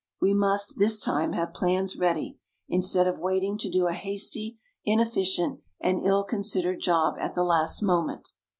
We must, this time, have plans ready instead of waiting to do a hasty, inefficient, and ill considered job at the last moment.